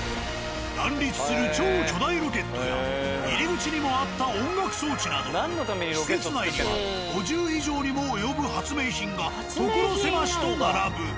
乱立する超巨大ロケットや入り口にもあった音楽装置など施設内には５０以上にも及ぶ発明品が所狭しと並ぶ。